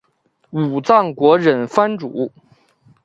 武藏国忍藩主。